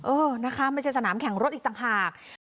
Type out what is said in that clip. เออนะคะไม่ใช่สนามแข่งรถอีกต่างหาก